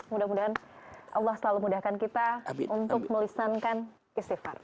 mudah mudahan allah selalu mudahkan kita untuk melisankan istighfar